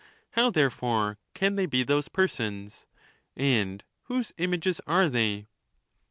How, therefore, can they be those persons? And whose images are they?